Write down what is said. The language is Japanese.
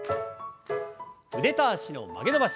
腕と脚の曲げ伸ばし。